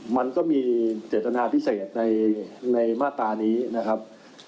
มันก็มีเจตนาพิเศษในมาตรานี้นะครับ